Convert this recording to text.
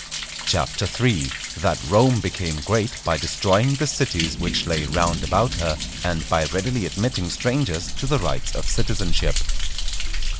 CHAPTER III.—_That Rome became great by destroying the Cities which lay round about her, and by readily admitting strangers to the rights of Citizenship.